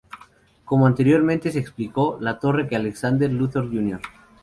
Como anteriormente se explicó, la torre que Alexander Luthor Jr.